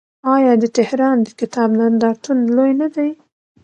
آیا د تهران د کتاب نندارتون لوی نه دی؟